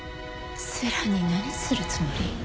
星来に何するつもり？